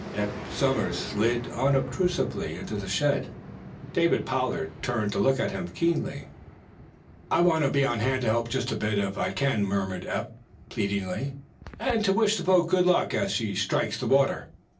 Eph Somers slid, unobtrusively, into the shed. David Pollard turned to look at him keenly. "I want to be on hand to help just a bit, if I can," murmured Eph, pleadingly, "and to wish the boat good luck as she strikes the water.